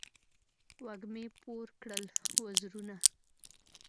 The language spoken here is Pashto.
وږمې پور کړل وزرونه